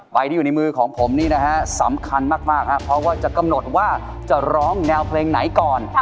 ที่อยู่ในมือของผมนี่นะฮะสำคัญมากครับเพราะว่าจะกำหนดว่าจะร้องแนวเพลงไหนก่อน